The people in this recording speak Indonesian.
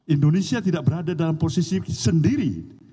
indonesia tidak berada dalam posisi sendiri